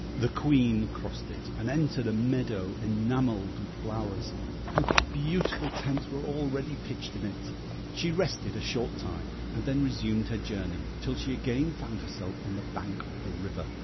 The Queen crossed it, and entered a meadow enamelled with flowers. Her beautiful tents were already pitched in it. She rested a short time, and then resumed her journey, till she again found herself on the bank of the river.